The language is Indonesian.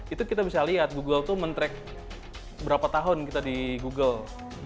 itu kita bisa lihat google tuh men track berapa tahun kita di google